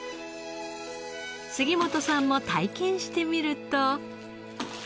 杉本さんも体験してみると。